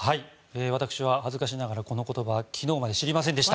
私は恥ずかしながらこの言葉昨日まで知りませんでした。